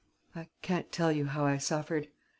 I can't tell you how I suffered....